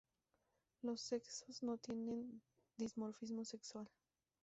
Los sexos no tienen dimorfismo sexual.